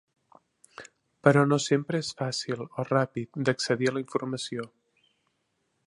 Però no sempre és fàcil, o ràpid, d’accedir a la informació.